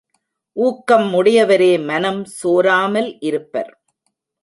ஊக்கம் உடையவரே மனம் சோராமல் இருப்பர்.